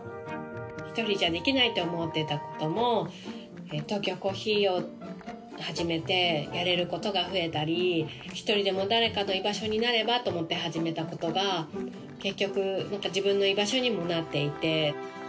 一人じゃできないと思っていたこともトーキョーコーヒーを始めてやれることが増えたり一人でも誰かの居場所になればと思って始めたことが結局自分の居場所にもなっていて。